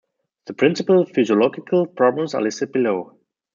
The principal physiological problems are listed below.